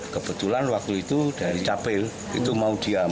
kebetulan waktu itu dari capil itu mau diam